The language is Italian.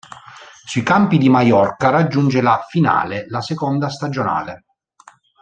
Sui campi di Maiorca raggiunge la finale, la seconda stagionale.